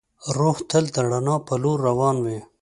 روح تل د رڼا په لور روان وي.